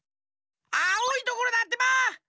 あおいところだってば！